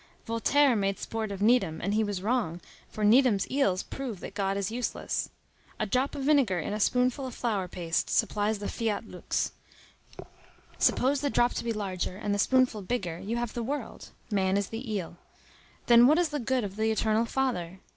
Voltaire made sport of Needham, and he was wrong, for Needham's eels prove that God is useless. A drop of vinegar in a spoonful of flour paste supplies the fiat lux. Suppose the drop to be larger and the spoonful bigger; you have the world. Man is the eel. Then what is the good of the Eternal Father?